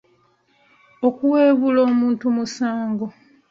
Okuwebuula omuntu musango.